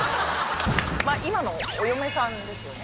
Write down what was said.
今のお嫁さんですよね。